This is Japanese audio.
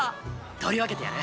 取り分けてやる！